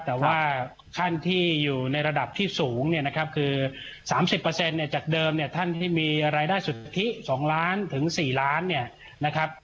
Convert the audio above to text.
แต่ว่าขั้นที่อยู่ในระดับที่สูงเนี่ยนะครับคือ๓๐เนี่ยจากเดิมเนี่ยท่านที่มีรายได้สุทธิ๒ล้านถึง๔ล้านเนี่ยนะครับ